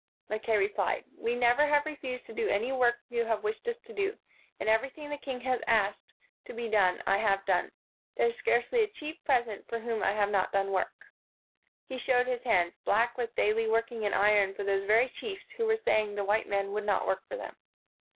Mackay replied, "We never have refused to do any work you have wished us to do; and everything the king has asked to be 130 KING AND WIZARD done, I have done. There is scarcely a chief present for whom I have not done work." He showed his hands, black with daily working in iron for those very chiefs who were saying the white men would not work for them.